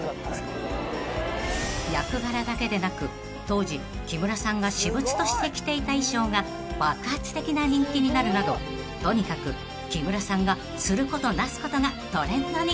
［役柄だけでなく当時木村さんが私物として着ていた衣装が爆発的な人気になるなどとにかく木村さんがすることなすことがトレンドに］